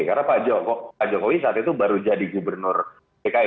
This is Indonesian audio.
karena pak jokowi saat itu baru jadi gubernur pki